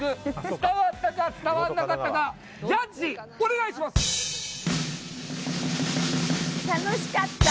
伝わったか、伝わらなかったか楽しかった！